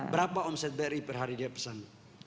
berapa omset bri per hari dia pesan